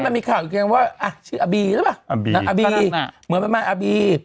มันมีข่าวอีกไงว่าอ่ะชื่ออาบีหรือเปล่าอาบีเหมือนประมาณอาบี